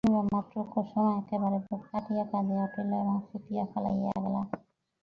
শুনিবামাত্র কুসুম একেবারে বুক ফাটিয়া কাঁদিয়া উঠিল এবং ছুটিয়া পালাইয়া গেল।